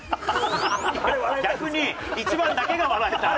逆に１番だけが笑えた？